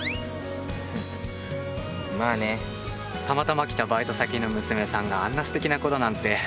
たまたま来たバイト先の娘さんがあんなステキな子だなんて。